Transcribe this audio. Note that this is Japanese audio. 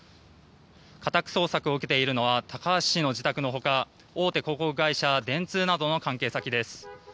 家宅捜索を受けているのは高橋氏の自宅のほか大手広告会社、電通などの関係先です。